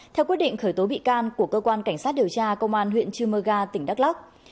theo quyết định khởi tố bị can của cơ quan cảnh sát điều tra công an huyện chư mơ ga tỉnh đắk lắc